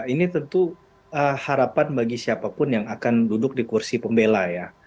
ini tentu harapan bagi siapapun yang akan duduk di kursi pembela ya